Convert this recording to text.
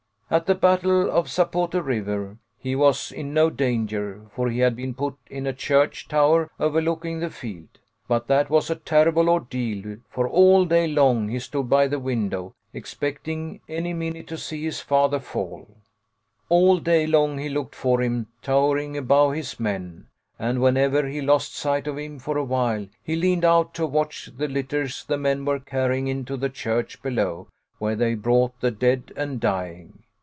At the battle of Zapote River he was in no danger, for he had been put in a church tower overlooking the field. But that was a terrible ordeal, for all day long he stood by the window, expect ing any minute to see his father fall. All day long he looked for him, towering above his men, and whenever he lost sight of him for awhile, he 136 THE LITTLE COLONEL'S HOLIDAYS. leaned out to watch the litters the men were carry ing into the church below where they brought the dead and dying.